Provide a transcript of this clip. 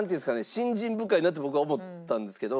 信心深いなって僕は思ったんですけど。